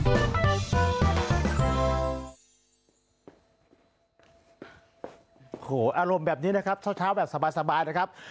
โอ้โหอารมณ์แบบนี้นะครับเช้าแบบสบายนะครับ